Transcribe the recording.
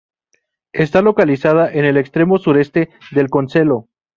Está Localizada en el extremo sureste del concelho.